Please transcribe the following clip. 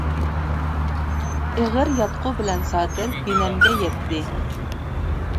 ئېغىر ياتقۇ بىلەن سادىر بىنەمگە يەتتى.